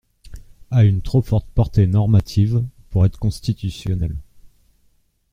»– a une trop faible portée normative pour être constitutionnelle.